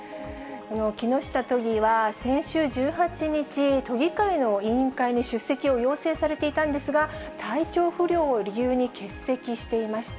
木下都議は、先週１８日、都議会の委員会に出席を要請されていたんですが、体調不良を理由に欠席していました。